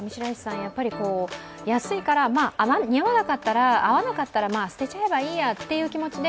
安いから、合わなかったら捨てちゃえばいいやという気持ちで